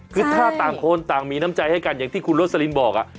คือถ้าต่างคนต่างมีน้ำใจให้กันอย่างที่คุณโรสลินบอก